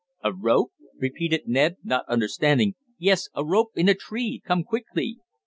"A rope!" repeated Ned, not understanding. "Yes, a rope in a tree. Come quickly!"